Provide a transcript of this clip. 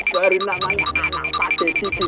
itu baru namanya anak pak rihedi